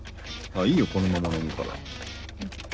いいよこのまま飲むから。